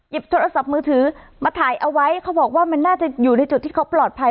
โทรศัพท์มือถือมาถ่ายเอาไว้เขาบอกว่ามันน่าจะอยู่ในจุดที่เขาปลอดภัย